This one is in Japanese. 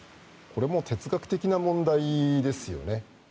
これはもう哲学的な問題ですよね。